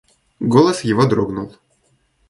Голос его дрогнул.